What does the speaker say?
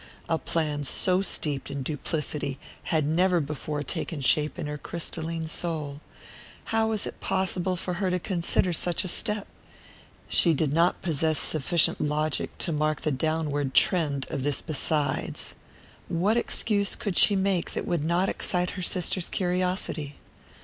A plan so steeped in duplicity had never before taken shape in her crystalline soul. How was it possible for her to consider such a step? And, besides, (she did not possess sufficient logic to mark the downward trend of this "besides"), what excuse could she make that would not excite her sister's curiosity?